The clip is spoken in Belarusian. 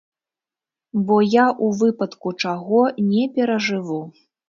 Бо я, у выпадку чаго, не перажыву.